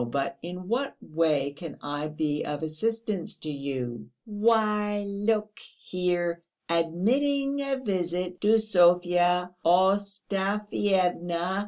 But in what way can I be of assistance to you?" "Why, look here: admitting a visit to Sofya Ostafyevna